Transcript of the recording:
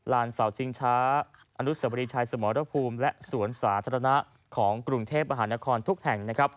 เสาชิงช้าอนุสวรีชัยสมรภูมิและสวนสาธารณะของกรุงเทพมหานครทุกแห่ง